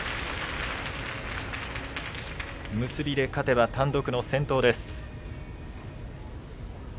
結びで勝てば単独の先頭です。